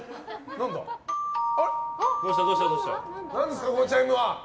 何ですか、このチャイムは。